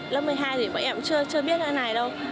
lớp một mươi hai thì mẹ em chưa biết thế này đâu